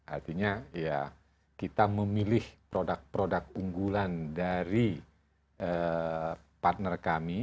artinya ya kita memilih produk produk unggulan dari partner kami